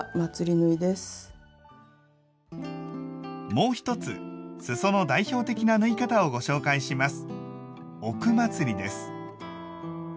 もう一つすその代表的な縫い方をご紹介します。